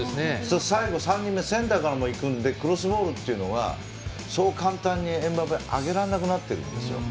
最後３人目センターからも行くのでクロスボールっていうのがそう簡単にエムバペは上げられなくなってるんですよ。